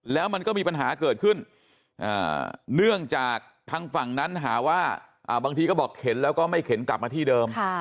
แล้วมันก็มีปัญหาเกิดขึ้นเนื่องจากทางฝั่งนั้นหาว่าบางทีก็บอกเข็นแล้วก็ไม่เข็นกลับมาที่เดิม